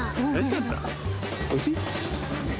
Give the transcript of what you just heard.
おいしい？